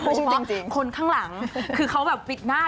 เพราะว่าคนข้างหลังคือเขาแบบปิดหน้า